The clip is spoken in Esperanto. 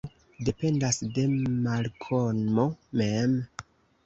Kompreneble multo dependas de Malkomo mem.